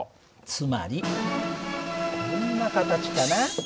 つまりこんな形かな。